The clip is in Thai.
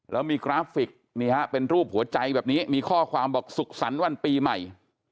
แล้วมีกราฟิกนี่ฮะเป็นรูปหัวใจแบบนี้มีข้อความบอกสุขสรรค์วันปีใหม่